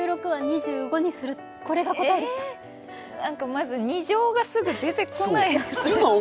まず２乗がすぐ出てこない。